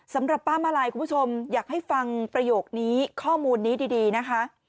สำหรับป้ามาลัยคุณผู้ชมอยากให้ฟังประโยคนี้ข้อมูลนี้ดีนะคะ